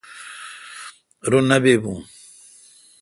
رو نہ بابھو۔